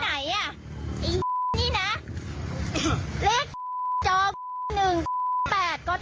ยังไม่กลัวใจหรอกนะครับ